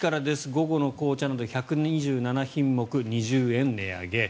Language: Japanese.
午後の紅茶など１２７品目を２０円値上げ。